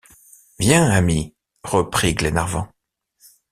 Viens, ami, reprit Glenarvan.